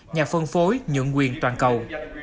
nhà phân phối nhuận quyền toàn cầu